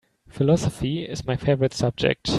Philosophy is my favorite subject.